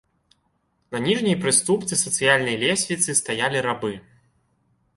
На ніжняй прыступцы сацыяльнай лесвіцы стаялі рабы.